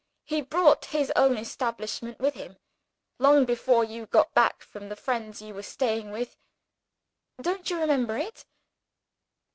He brought his own establishment with him. Long before you got back from the friends you were staying with don't you remember it?